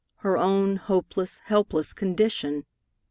Her own hopeless, helpless condition!